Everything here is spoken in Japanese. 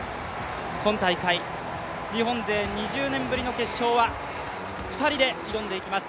今大会、日本勢２０年ぶりの決勝は２人で挑んでいきます。